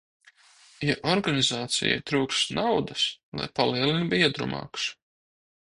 Ja organizācijai trūkst naudas, lai palielina biedru maksu.